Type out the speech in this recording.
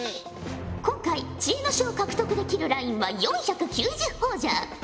今回知恵の書を獲得できるラインは４９０ほぉじゃ。